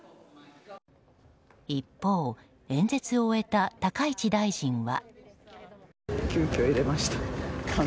一方、演説を終えた高市大臣は。